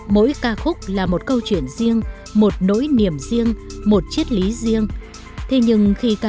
mỗi ca khúc là một câu chuyện riêng một nỗi niềm riêng một chiếc lý riêng